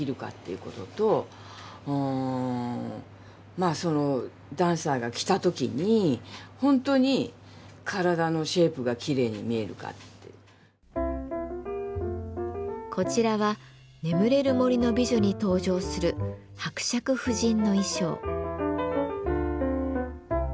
まずそのダンサーが着た時にこちらは「眠れる森の美女」に登場する伯爵夫人の衣装。